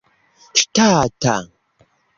ŝtata